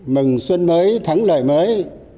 mừng xuân mới thắng lợi mới